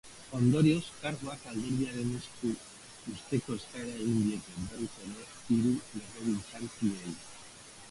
Ondorioz, karguak alderdiaren esku uzteko eskaera egin diete berriz ere hiru legebiltzarkideei.